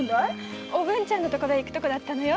おぶんちゃんのところへ行くとこだったのよ。